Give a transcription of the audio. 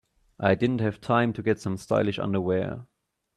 I didn't have time to get some stylish underwear.